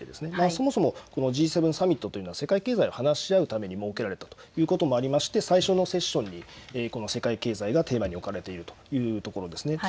そもそもＧ７サミットというのは世界経済を話し合うために設けられたということもありまして最初のセッションに世界経済がテーマに置かれているというところですね。